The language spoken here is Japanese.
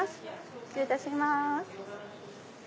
失礼いたします。